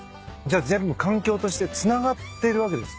じゃあ全部環境としてつながってるわけですか。